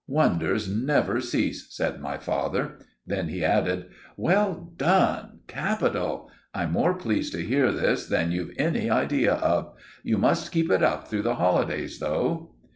"Wonders never cease," said my father. Then he added, "Well done, capital! I'm more pleased to hear this than you've any idea of. You must keep it up through the holidays, though."